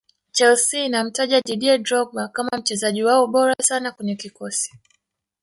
chelsea inamtaja didier drogba kama mchezaji wao bora sana kwenye kikosi